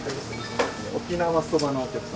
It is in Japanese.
沖縄そばのお客様。